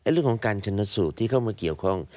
เรื่องของการชนสูตรที่เข้ามาเกี่ยวข้อง